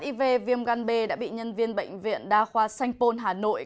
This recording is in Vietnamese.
nhìn que test hiv viêm gan b đã bị nhân viên bệnh viện đa khoa sanh pôn hà nội